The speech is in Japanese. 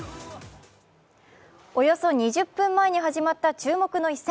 およそ２０分前に始まった注目の一戦。